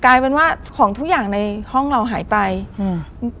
กลายเป็นว่าของทุกอย่างในห้องเราหายไปอืม